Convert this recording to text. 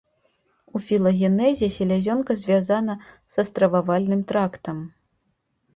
У філагенезе селязёнка звязана са стрававальным трактам.